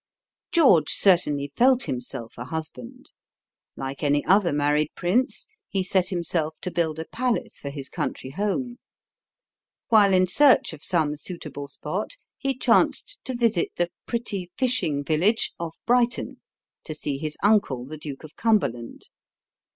George certainly felt himself a husband. Like any other married prince, he set himself to build a palace for his country home. While in search of some suitable spot he chanced to visit the "pretty fishing village" of Brighton to see his uncle, the Duke of Cumberland.